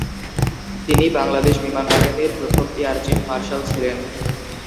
তিনি বাংলাদেশ বিমান বাহিনীর প্রথম এয়ার চীফ মার্শাল ছিলেন।